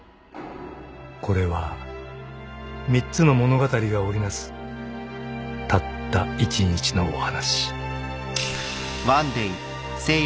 ［これは３つの物語が織り成すたった一日のお話］